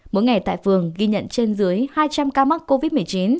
mỗi ngày tại phường ghi nhận trên dưới hai trăm linh ca mắc covid một mươi chín